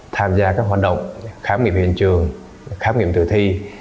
tham gia các hoạt động khám nghiệm hiện trường khám nghiệm tử thi